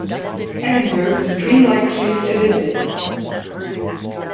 Edinburgh is a dream-like place to visit.